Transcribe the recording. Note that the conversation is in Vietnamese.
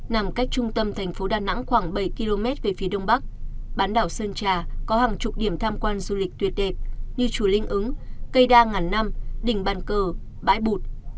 nằm cách trung tâm thành phố đà nẵng khoảng bảy km về phía đông bắc bán đảo sơn trà có hàng chục điểm tham quan du lịch tuyệt đẹp như chùa linh ứng cây đa ngàn năm đỉnh bàn cờ bãi bụt